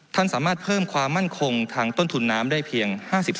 ท่านสามารถเพิ่มความมั่นคงทางต้นทุนน้ำได้เพียง๕๓